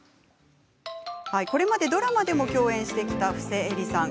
これまでドラマでも共演してきた、ふせえりさん。